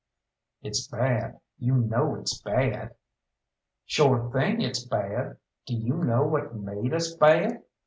"It's bad you know it's bad!" "Shore thing it's bad. Do you know what made us bad?